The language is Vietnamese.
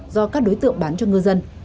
do các đối tượng bán cho ngư dân